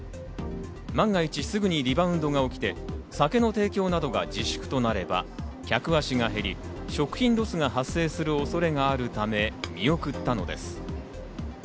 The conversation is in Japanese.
万が一、すぐにリバウンドが起きて酒の提供などが自粛となれば、客足が減り、食品ロスが発生する恐れがあるため、見送ったのです。